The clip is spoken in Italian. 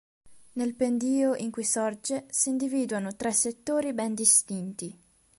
Nel pendio in cui sorge s'individuano tre settori ben distinti.